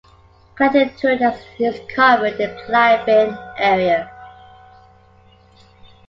Connected to it is a covered climbing area.